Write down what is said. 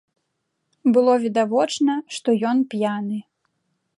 Было відавочна, што ён п'яны.